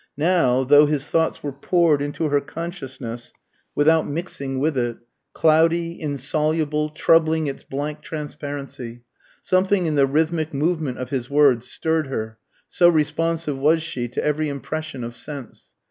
Now, though his thoughts were poured into her consciousness without mixing with it, cloudy, insoluble, troubling its blank transparency, something in the rhythmic movement of his words stirred her, so responsive was she to every impression of sense.